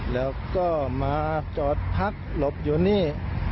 แล้วก็มาจอดพักหลบอยู่นี่